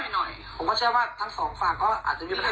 หน่อยผมก็เชื่อว่าทั้งสองฝั่งก็อาจจะมีปัญหา